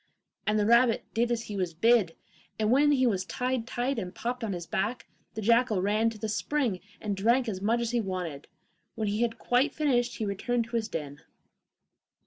The rabbit did as he was bid, and when he was tied tight and popped on his back, the jackal ran to the spring and drank as much as he wanted. When he had quite finished he returned to his den.